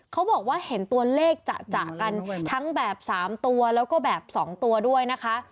เขาบอกว่าเห็นตัวเลขจะกันทั้งแบบ๓ตัวแล้วก็แบบ๒ตัวด้วยนะคะ